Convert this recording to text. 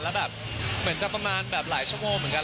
แล้วแบบเหมือนจะประมาณแบบหลายชั่วโมงเหมือนกัน